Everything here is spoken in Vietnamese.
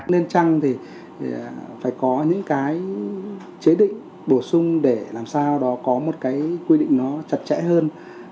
nên chăng thì phải có những cái chế định bổ sung để làm sao đó có một cái quy định nó chặt chẽ hơn